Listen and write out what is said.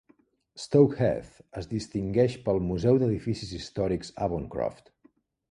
Stoke Heath es distingeix pel Museu d'edificis històrics Avoncroft.